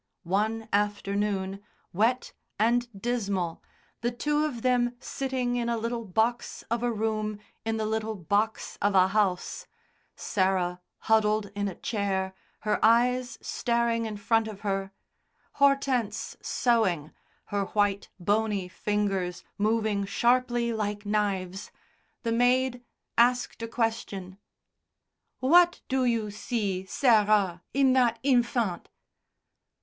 One afternoon, wet and dismal, the two of them sitting in a little box of a room in the little box of a house, Sarah huddled in a chair, her eyes staring in front of her, Hortense sewing, her white, bony fingers moving sharply like knives, the maid asked a question: "What do you see Sar ah in that infant?"